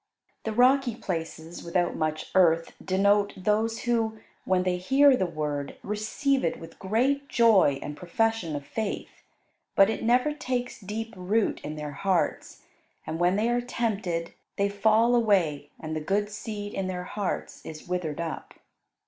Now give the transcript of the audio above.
The rocky places without much earth denote those who, when they hear the Word, receive it with great joy and profession of faith; but it never takes deep root in their hearts, and when they are tempted they fall away and the good seed in their hearts is withered up.